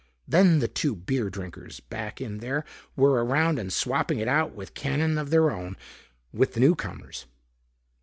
Then the two beer drinkers back in there were around and swapping it out with cannon of their own with the newcomers.